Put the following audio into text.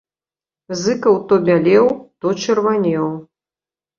Зыкаў то бялеў, то чырванеў.